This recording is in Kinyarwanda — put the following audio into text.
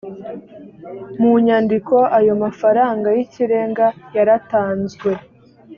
mu nyandiko ayo mafaranga y ikirenga yaratanzwe